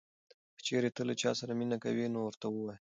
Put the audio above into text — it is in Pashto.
که چېرې ته له چا سره مینه کوې نو ورته ووایه.